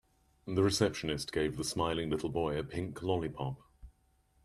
The receptionist gave the smiling little boy a pink lollipop.